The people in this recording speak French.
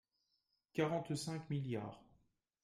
quarante-cinq milliards